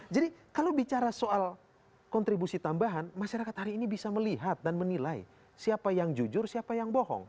jadi kalau bicara soal kontribusi tambahan masyarakat hari ini bisa melihat dan menilai siapa yang jujur siapa yang bohong